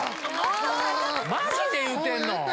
マジで言うてんの⁉